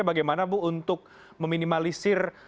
bagaimana bu untuk meminimalisir